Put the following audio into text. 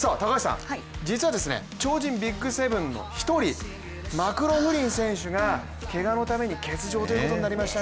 実は、超人ＢＩＧ７の１人マクロフリン選手がけがのために欠場となりました。